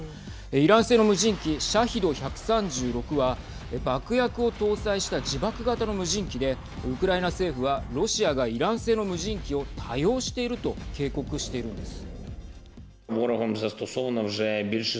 イラン製の無人機シャヒド１３６は爆薬を搭載した自爆型の無人機でウクライナ政府はロシアがイラン製の無人機を多用していると警告しているんです。